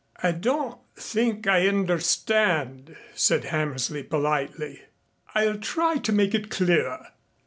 "I don't think I understand," said Hammersley politely. "I'll try to make it clearer.